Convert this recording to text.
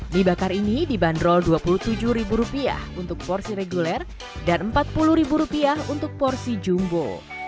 mie bakar ini dibanderol dua puluh tujuh ribu rupiah untuk porsi reguler dan empat puluh ribu rupiah untuk porsi jumbo